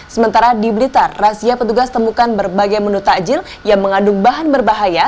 sementara di blitar razia petugas temukan berbagai menu takjil yang mengandung bahan berbahaya